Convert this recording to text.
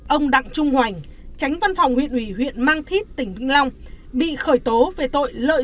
ông đặng trung hoành tránh văn phòng huyện ủy huyện mang thít tỉnh vĩnh long bị khởi tố về tội lợi